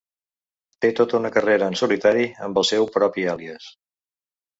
Té tota una carrera en solitari amb el seu propi àlies.